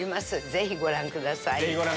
ぜひご覧ください。